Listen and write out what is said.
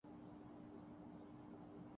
ہم میں وہ صلاحیت ہی نہیں کہ ان میں بہتری لا سکیں۔